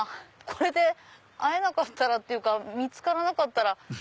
これで会えなかったらっていうか見つからなかったら。